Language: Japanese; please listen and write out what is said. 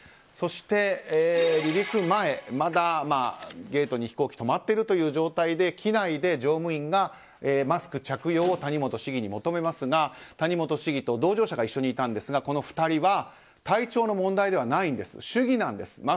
そして離陸前、まだゲートに飛行機が止まっているという状態で機内で乗務員がマスク着用を谷本市議に求めますが谷本市議と同乗者が一緒にいたんですがこの２人は体調の問題ではないんです主義なんです。